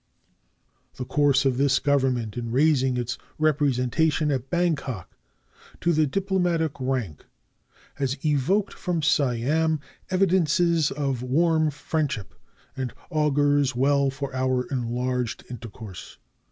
The course of this Government in raising its representation at Bangkok to the diplomatic rank has evoked from Siam evidences of warm friendship and augurs well for our enlarged intercourse.